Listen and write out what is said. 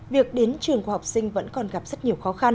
việc đến trường của học sinh vẫn còn gặp rất nhiều khó khăn